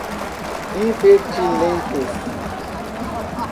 impertinentes